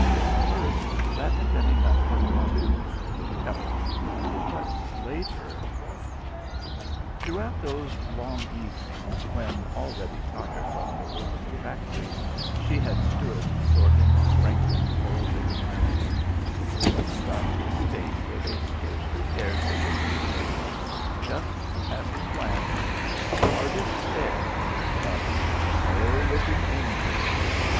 At first that had been enough for her, too: to help. But later Throughout those long evenings when, already tired from her work in the factory, she had stood sorting, sprinkling, folding, ironing, the two women got to a state where they scarcely dared to look at each other: just a passing glance, a hardish stare, but no looking into.